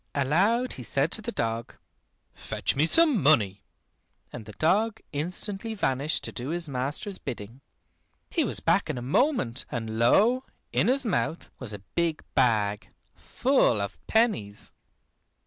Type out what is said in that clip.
Aloud he said to the dog, "Fetch me some money," and the dog instantly vanished to do his master's bidding. He was back in a moment, and lo! in his mouth was a big bag, full of pennies.